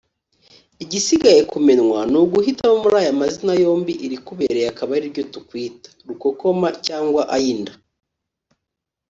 Igisigaye kumenywa ni uguhitamo muri aya mazina yombi irikubereye akaba ari ryo tukwita “Rukokoma cyangwa Ayinda”